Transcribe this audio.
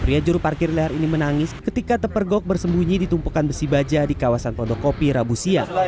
pria juru parkir lehar ini menangis ketika tepergok bersembunyi di tumpukan besi baja di kawasan kondok kopi rabu sia